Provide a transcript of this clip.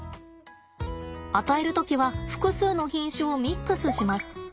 与える時は複数の品種をミックスします。